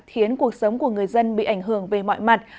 khiến cuộc sống của người dân bị ảnh hưởng về mọi mặt